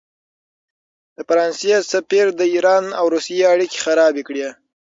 د فرانسې سفیر د ایران او روسیې اړیکې خرابې کړې.